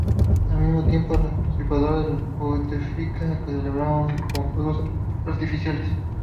Al mismo tiempo, los partidarios de Bouteflika celebraron con fuegos artificiales.